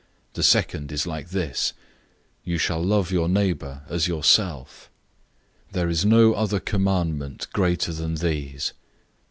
012:031 The second is like this, 'You shall love your neighbor as yourself.'{Leviticus 19:18} There is no other commandment greater than these."